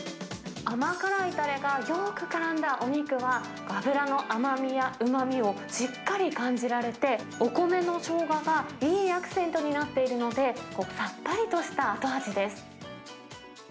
甘辛いたれがよくからんだお肉は、脂の甘みやうまみをしっかり感じられて、お米のしょうががいいアクセントになっているので、さっぱりとした後味です。